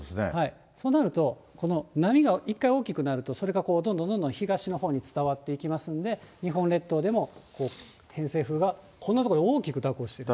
そうなると、この波が１回大きくなると、それがこう、どんどんどんどん東のほうに伝わっていきますので、日本列島でも、こう偏西風がこんな所に大きく蛇行してる。